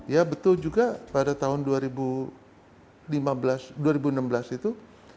ya betul juga pada tahun dua ribu enam belas itu